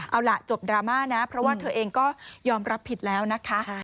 เอาล่ะจบดราม่านะเพราะว่าเธอเองก็ยอมรับผิดแล้วนะคะ